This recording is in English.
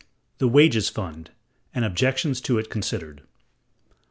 The Wages fund, and the Objections to it Considered.